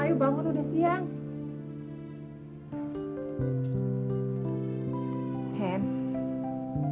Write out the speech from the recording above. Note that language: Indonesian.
ayo bangun udah siang